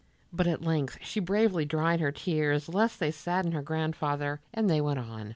But at length she bravely dried her tears lest they sadden her grandfather, and they went on.